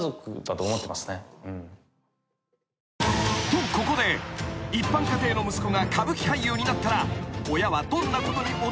［とここで一般家庭の息子が歌舞伎俳優になったら親はどんなことに驚くのか？］